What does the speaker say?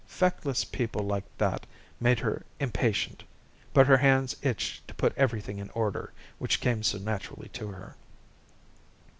Feckless people like that made her impatient, but her hands itched to put everything in the order which came so naturally to her.